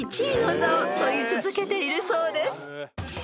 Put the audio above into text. １位の座をとり続けているそうです］